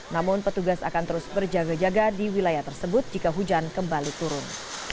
namun petugas akan terus berjaga jaga di wilayah tersebut jika hujan kembali turun